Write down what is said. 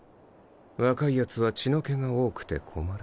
若いヤツは血の気が多くて困る。